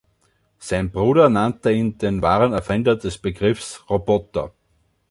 Sein Bruder nannte ihn den wahren Erfinder des Begriffs "Roboter".